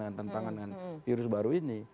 dengan tentang virus baru ini